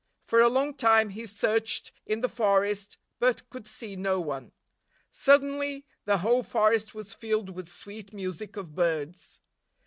For a long time, he searched in the forest, but could see no one. Suddenly, the whole forest was filled with sweet music of birds.